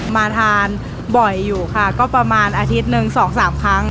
มาทานบ่อยอยู่ค่ะก็ประมาณอาทิตย์หนึ่งสองสามครั้ง